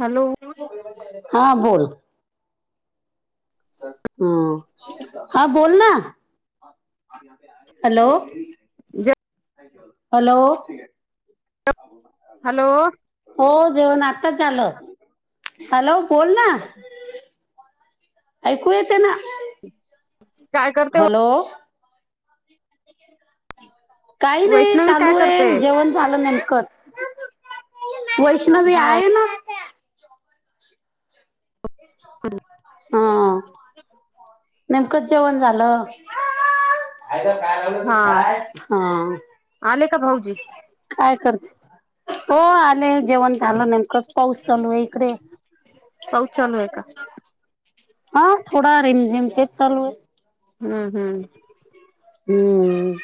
Hello हा बोल हम हा बोल ना हॅलो जा हॅलो हॅलो देऊन आता झालं हॅलो बोल ना ऐकू येते ना काय करते हॅलो काही नाही वैष्णवी काय चालू करते आहे जेवण झालं नेमकत वैष्णवी हो आय ना हा नेमकं जेवण झालं. य का काय लाल तू काय भाऊज काय करते हो आले जेवण लं नेमकच पाऊस चालू आहे इकडे पाऊस चालू आहे का हा थोडा रिमझेम तेच चालू आहे हम्म हम्म हम्म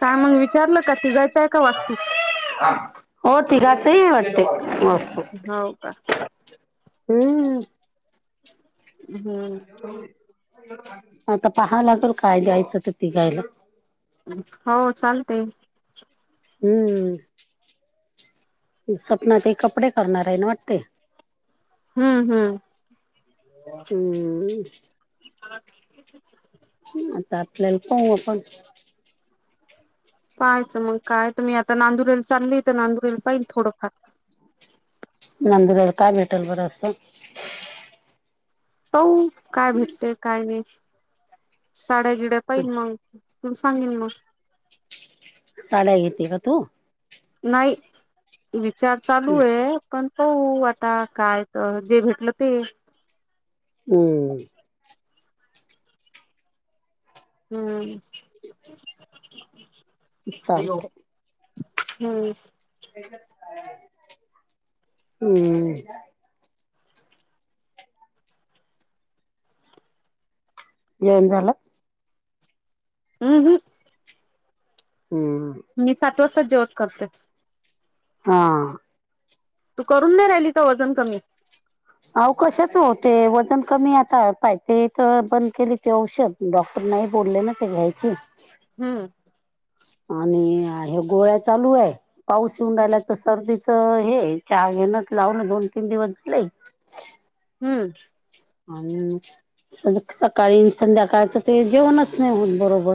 काय मग विचारलं का तिघायचंय का वास्तू हो तिघाच वाटते मस्त हो का हम्म हम्म आता पाहावं लागेल काय दयचं तर तिघायला हो चालते हम्म सपना ते कपडे करणार आहे ना वाटते हम्- हम्. [unintelligible] हम. [inaudible] आता आपल्याला, पाहू आपण. पाहायचं मग, काय तर मी आता नांदुरेल चालली तर, नांदुरेल पाहिल थोडंफार. नांदुरला काय भेटेल बरं? अस. पाहू, काय भेटतेय, काय नाही? साड्या - गिड्या पाहिल मग. त [unintelligible] सांगेन मग. साड्या घेती का तू? नाही. विचार चालूय, पण. पाहू, आता काय जे, भेटलं ते. हम्म. हम्म. [unintelligible] चालतंय. [unintelligible] हम्म. [unintelligible] हम्. [unintelligible] जेवण झालं. [unintelligible] हम्म मी सात वाजता जेवत करते. हा. तू करून नाही राहिली का? वजन कमी. आव कशाच होतय, वजन कमी आता. पाहि तेेथ बंद केली ते औषध. डॉक्टर नाही बोलले ना, ते घ्यायची. हम्म. आणि हे गोळ्या चालूय. पाऊस येऊन राह्यला तर, सर्दी हे चहा घेन लावून दोन- तीन दिवस झालय. हम्म. अन सन सकाळी न संध्याकाळच ते जेवणच नाही होत, बरोबर.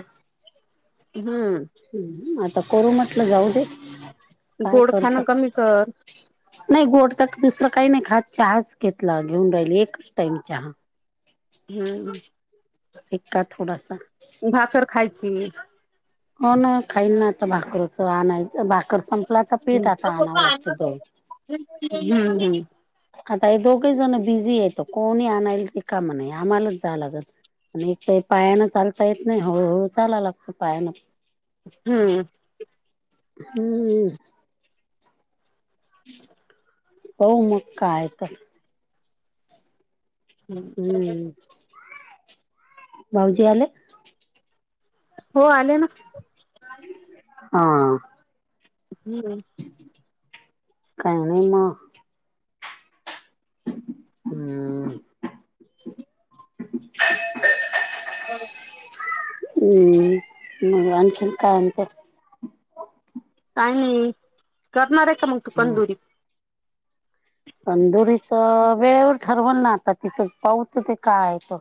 हम्म. हम्म आता करू म्हटलं, जाऊ दे. काय गोड करता. खाणं कमी कर. नाही गोड तर दुसरं काही नाही खात. चहाच घेतला घेऊन राहिली, एकच टाईम चहा. हम्. फिका थोडासा. हम्. हो ना. खाईल ना आता भाकरच आणायचं भाकर पण आपलाचा हम्म पीठ, आता आणावं लागत दळून. हम्म आता हे दोघ जण बिझी येतो. कोणी आणायला रीकाम नाही. आम्हालाच जा लागल. आणि एक त पायानं चालता येत नाही. हळूहळू चाला लागत. पायानं हम्म. हम् [unintelligible] होऊ, मग काय तर? हम्म [unintelligible] [inaudible] भाऊजी आलेत? हो आले ना. [inaudible] हा. हम्म. काय नाही म. [inaudible] हम्. [inaudible] [unintelligible] हम्म मख कायंत आणि करणार आहे का मग तू हम्म तंदुरी तंदुरीच वेळेवर ठरवल ना आता तिथंच पाऊत ते कायय त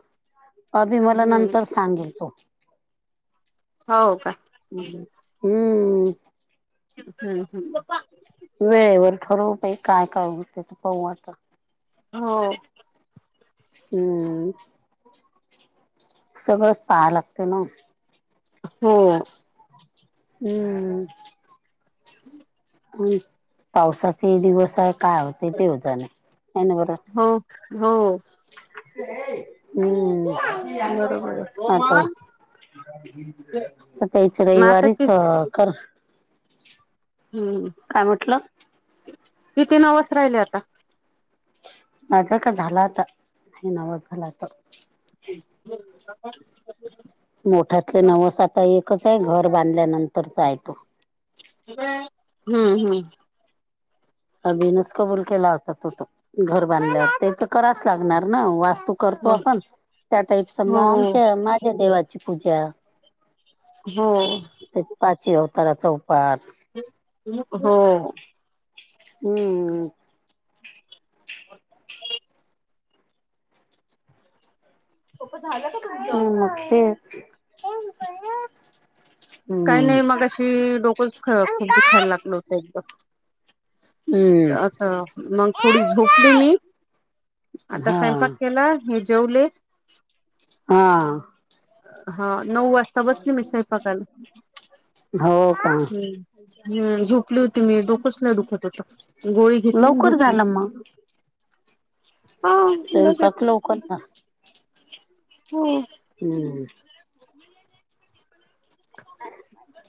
अभी मला हम्म नंतर सांगेल तो हो का हम्म हम्म हम्म वेळेवर ठरवू पा काय करू ते तू पाहू आता हो हम्म सगळंच पाहावं लागतं ना हम हम्म हम् पावसाचे दिवस आहे काय होते तेवज नाही बर हो हो हम्म बरोबर आहे हताो आ तेच मग आता कि रविवारीच कर काय म्हटलं कीतीन आवाज राहिले आता माझा का झाला आता हे नाव झाला त मोठ्यातले नवस आता एकच आहे घर बांधल्यानंतरचाय तो हम्म हम्म अ बीनच कबूल केला होता तो घर बांधल्यावर ते तर कराच लागणार ना वास् तू करतो आपण त्या टाईप समज हो आमच्या माझ्या देवाची पूजा हो शि अवताराचां उ पाट हो हम्मम झागते काही नाही मग अशी डोकंच खळ खूप दुखायला लागल होतं एकदम हम्म असं मग थोडी झोपली मी आता हा स्वयंपाक केला हे जेवले हा हा नऊ वाजता बसली मी सायपाकाल हो का हम्म हम् झोपली होती मी डोकचं लय दुखत होत. गोळी घेतली आणि लवकर झोपले. झालं मग स्वयंपाक लवकर ता हो हम्म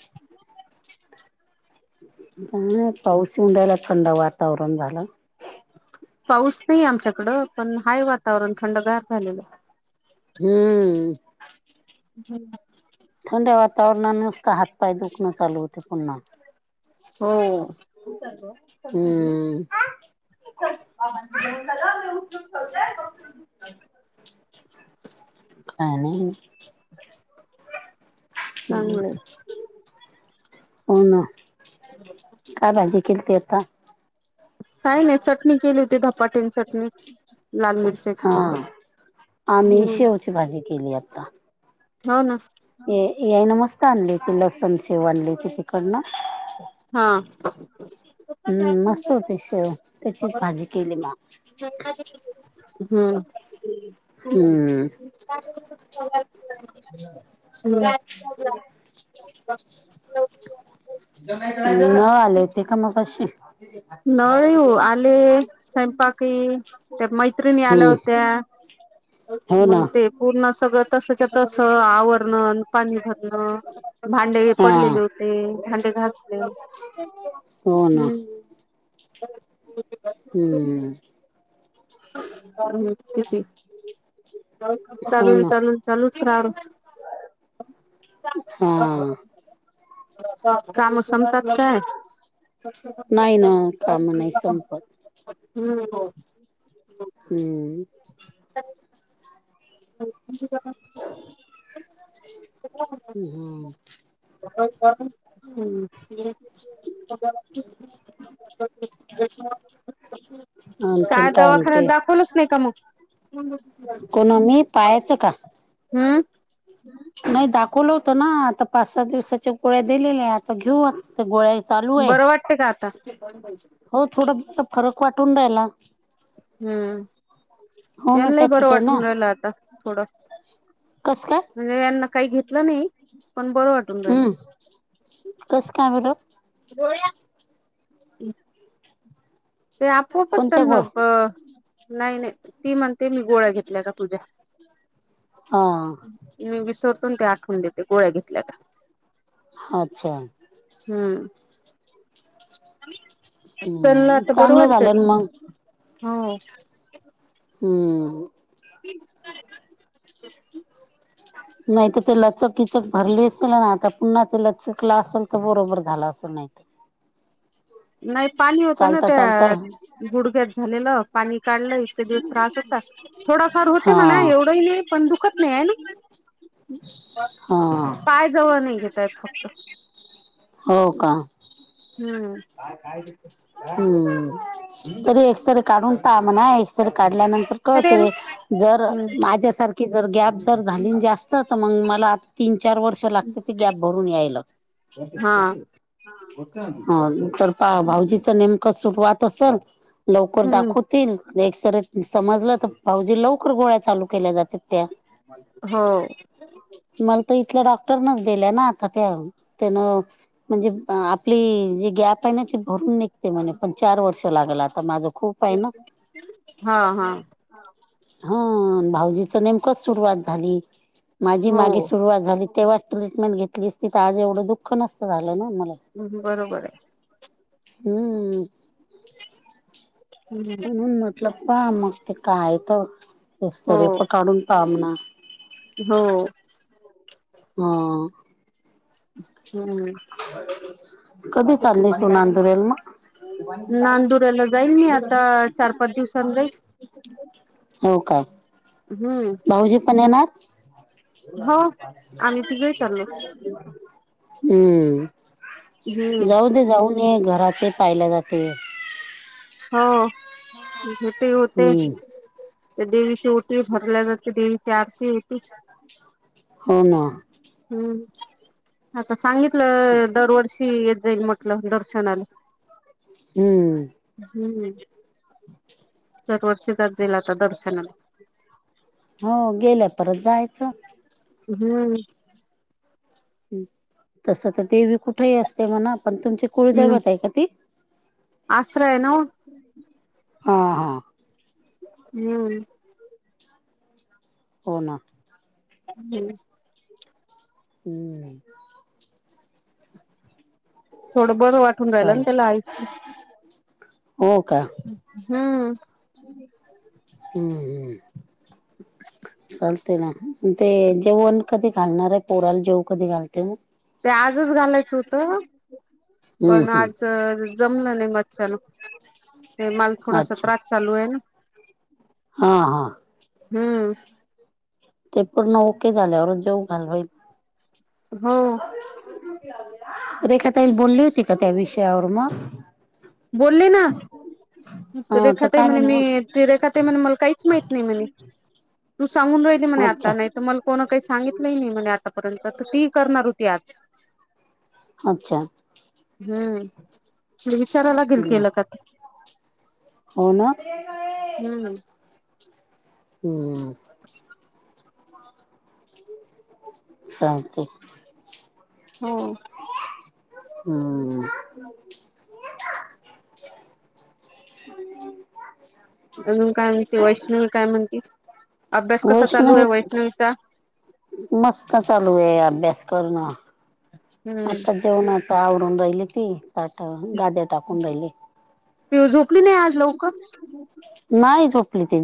[inaudible] काय नाय पाऊस उंडायला थंड वातावरण झालं. पाऊस नाही आमच्याकडं पण हाय वातावरण थंडगार झालेल. हम्म ब थंड वातावरणा नसत हात पाय दुखणं चालू होते पुन्हा हो हम्म ठी आहे उ ठवयघ ह नाही ह हो ना काय बाजी खेलतेता काय नाही चटणी केली होती धपाट्याने चटणी लाल हा मिरच्याची आम्ही हम्म शेवची भाजी केली आता. हो ना. ये यान मस्त आणले ती लसण शेव आणली ती तिकडना. हा हम्म मस्त होती शेव त्याचीच भाजी केली म. हम्म हूं [inaudible] नळ आले होते का मगाशी? नळ येऊ आले स्ंपाकी त्या मैत्रिणी आल्या हम्म होत्या हो ना मग ते पूर्ण सगळ तसच्या तस आवरण पाणी घालणं भांडे हे हा पडलेले होते भांडे घासले हो ना हम्म [inaudible] हम्म ती हो चलल ना चलूल चलू सारू हा का मोसम तर काय नाही ना काम नाही संपत होम् हो हम्म [unintelligible] होम बरो् आणखीन काय दवाखान्यात म्हणते? दाखवलच नाही का मग हम कोणा मी पायचं का हम्म नाही दाखवलं होत ना आता पाच सात दिवसाच्या गोळ्या दिलेल्या आता घेऊ गोळ्या चालू आहे. बरं वाटते का आता हो थोडं म फरक वाटून रायला हम्म यांनाही बरं होमिओपॅथिक आहे ना वाटून रालं आता थोडं कस काय म्हणजे यांना काही घेतलं नाही पण बरं वाटून राहिल हम्म कस काय बरं हम् ते आपोआप असत कोणत्या ना गोळ्या नाही नाही ती म्हणते मी गोळ्या घेतल्या का पूज्या हा मी विसरतून ते आठवून देते गोळ्या घेतल्या का अच्छा हम् चनला हम्म तर चांगलं बरोबरच झालं ना मग हो ह [unintelligible] नाहीत ते लचक विचक भरली असेल ना आता पुन्हा ते लचकला असेल तर बरोबर झाला अस नाही ह. नाही पाणी होत ना चालता त्या गुडघ्या च झालं पाणी काढलं इतके दिवस त्रास होताात थोडाफार होते म्हणा हा एवढं नाही पन धू कत नाही हा पाय जवळ नाही घेत. चपत. [unintelligible] हो का. हम्म तरी एक्सरे काढून टा मना एक्सरे काढल्यानंतर अरे अरे कळतं जर हम्म माझ्यासारख, की जर गॅप जर झाली जास्त तर मग मला तीन, चार वर्ष लागते ते गॅप भरून यायला. हा तर पा भाऊजीचं नेमकं सुपवात असेल, लवकर हम्म दाखवतील एकसर समजलं त, भाऊजी लवकर गोळ्या चालू केल्या जातात त्या. हो. मला तर इथल्या डॉक्टरनच दिल्या ना आता त्या त्यान म्हणजे आपली जी गॅप, काही ना की भरून निघते म्हणे पण चार वर्ष लागल आता माझं. खूप आहे ना हा हा. ह भाऊजीच नेमकं सुरुवात झाली माझी हो मागे सुरुवात झाली, तेव्हा ट्रीटमेंट घेतली अस त तर आज एवढं दुःख नसत झालं ना म, ह् बरोबर आहे. हम्म. आहे म्हणून म्हटलं पाहा मग ते काय तर हे हो सरेप काढून पा ना. हो. हा. हम्म. कधी चाली तू नांदुरेल म? [inaudible] नांदुराला जाईल मी आता चार पाच दिवसांनी जाईल हो का हम्म भाऊजी पण येणार? हो आम्ही तिघे चाललो हम्म. हम्म जाऊ दे जाऊन ये घराात पाहिला जाते. हो भेट हम्म होतेचतर देवी, छोटी भरलंग क देवीची आरती होती. हो ना हम्म आता सांगितलं दरवर्षी येत, जाईल म्हटलं दर्शनाला. हम्म. हम्म दरवर्षीचर्जेला आता दर्शनाला. हो गेल्या परत जायचं. हम्म. तस तर देवी कुठेही असते म्हणा पण तुमची कुळ दवत आहे का ती? आश्रय नाओ. आ हा. हम्म. हो ना. हम्म. हम्म. थोडं बरं वाटून राहिलं आणि त्याला चालत आच. हो का हम्म. हम्म हम्म. चालते ना ते जेवण कधी घालणार आहे पोराला जेव कधी घालते मग? जज घालायचं होत हम्म पण आज, हम्म जमलं नाही मच्छन ते माल थोडासा अच्छा त्रास चालू आहे ना हा हा हम्म ते पूर्ण ओके झाल्यावर जेव घालईल हो रेखा तईल बोलली होती का त्या विषयावर मग बोलली ना हा तर रेखाही काय म्हणे मी मग ती रेखा मला काही मा नाही म्ह तू सांगून राहि अच्छा आता नाही मलाही सांगितलं नाही म्हण आतापर्यंत तर ती करणार होती आज अच्छा हम्म म विचार लागेल हम्म केला काता हो ना हम्म हम् [inaudible] सते हो हम्म अजून काय म्हणते वैष्णवी काय म्हणते अभ्यास कसा वैष्ण चालू व आहे वैष्णवीचा मस्त चालू आहे अभ्यास करणं हम्म आता जेवणाच आवडून राहिले ती तट गाद्या टाकून राहिले पि झोपली नाही आज लवकर नाही झोपलीितेन